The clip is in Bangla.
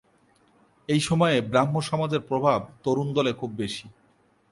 এই সময়ে ব্রাহ্ম-সমাজের প্রভাব তরুণ দলে খুব বেশি।